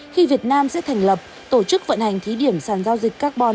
khi việt nam sẽ thành lập tổ chức vận hành thí điểm sàn giao dịch carbon